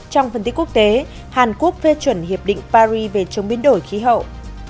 trong phần tiết quốc tế hàn quốc phê chuẩn hiệp định paris về chống biến đổi khí hậu